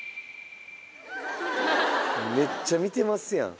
めっちゃ見てますやん。